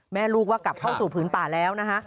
แม่ลูกว่ากลับเข้าสู่ผืนป่าแล้วนะคะ